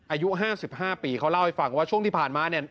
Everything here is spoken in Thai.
อายุ๕๕ปีเขาเล่าให้ฟังว่าช่วงที่ผ่านมาเนี่ย